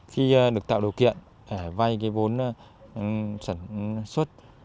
khi được tạo điều kiện vay cái vốn sản xuất